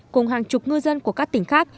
cùng hàng chục ngư dân của các tỉnh khác